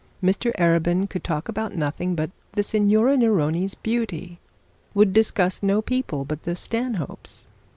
Mr Arabin could talk about nothing but the Signora Neroni's beauty, would discuss no people but the Stanhopes.